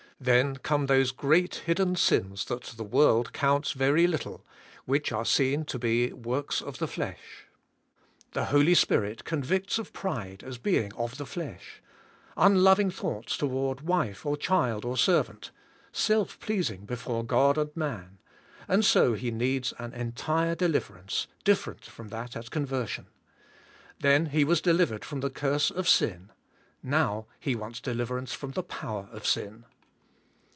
Then comes those great hid den sins that the world counts very little, which are seen to be works of the flesh. The Holy Spirit convicts of pride as being of the flesh; unloving thoughts toward v/ife, or child, or servant; self pleasing before God and man; a,nd so he needs an entire deliverance, different from that at conversion. Then he v/as delivered from the curse of sin, now he w^ants deliverance from the powder of sin.